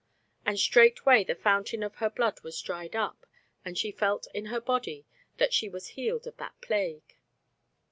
And straightway the fountain of her blood was dried up; and she felt in her body that she was healed of that plague.